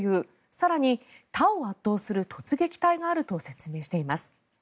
更に他を圧倒する突撃隊があると説明しています。